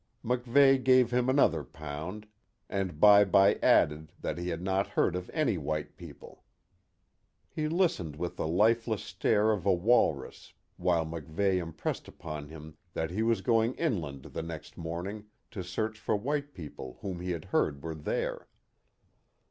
MacVeigh gave him another pound, and Bye Bye added that he had not heard of any white people. He listened with the lifeless stare of a walrus while MacVeigh impressed upon him that he was going inland the next morning to search for white people whom he had heard were there.